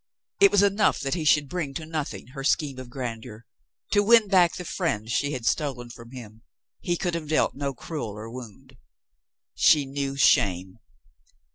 It was enough that he should bring to nothing her scheme of grandeur. To win back the friend she had stolen from him — he could have dealt no cruder wound. She knew shame.